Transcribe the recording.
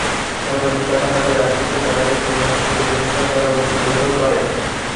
এমনকি তারা তাদের রাসূলকে তাদের সমাজ থেকে বহিষ্কার করার উদ্যোগ গ্রহণ করে।